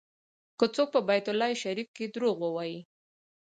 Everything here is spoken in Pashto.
که څوک په بیت الله شریف کې دروغ ووایي.